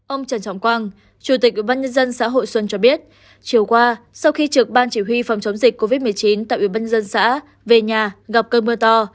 ông trần trọng quang chủ tịch ubnd xã hội xuân cho biết chiều qua sau khi trực ban chỉ huy phòng chống dịch covid một mươi chín tại ủy ban dân xã về nhà gặp cơn mưa to